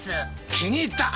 気に入った！